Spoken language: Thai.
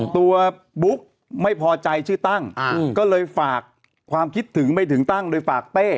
บุ๊กไม่พอใจชื่อตั้งก็เลยฝากความคิดถึงไม่ถึงตั้งโดยฝากเต้